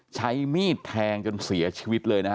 ใช้มีดแทงจนเสียชีวิตเลยนะฮะ